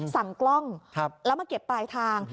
กล้องแล้วมาเก็บปลายทาง